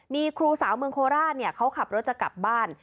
มีครูสาวเมืองโคราชเขาขับรถจะกลับบ้าน